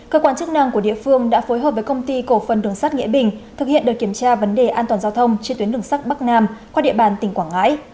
cơ quan chức năng của địa phương đã phối hợp với công ty cổ phần đường sát nghĩa bình thực hiện đợt kiểm tra vấn đề an toàn giao thông trên tuyến đường sắt bắc nam qua địa bàn tỉnh quảng ngãi